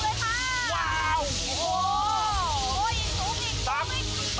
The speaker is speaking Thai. ยังค่ะยังไม่ได้